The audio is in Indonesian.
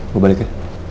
gue balik ya